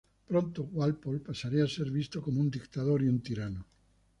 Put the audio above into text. Pronto Walpole pasaría a ser visto como un dictador y un tirano.